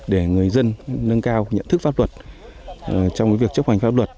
để người dân nâng cao nhận thức pháp luật trong việc chấp hành pháp luật